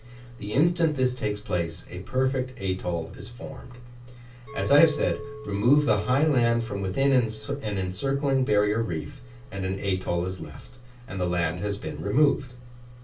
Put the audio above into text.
The instant this takes place, a perfect atoll is formed: I have said, remove the high land from within an encircling barrier reef, and an atoll is left, and the land has been removed.